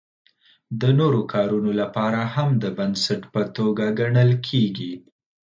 د نورو کارونو لپاره هم د بنسټ په توګه ګڼل کیږي.